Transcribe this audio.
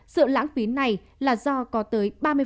sự lãng phí này là do có tới